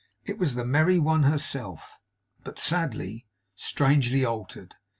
It was the merry one herself. But sadly, strangely altered!